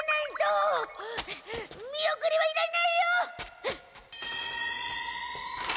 見送りはいらないよ！